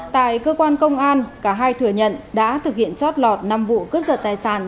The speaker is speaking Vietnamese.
tại cơ quan công an cả hai thừa nhận đã thực hiện chót lọt năm vụ cướp giật tài sản